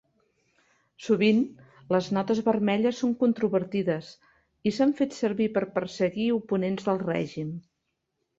Sovint les notes vermelles són controvertides i s'han fet servir per perseguir oponents del règim.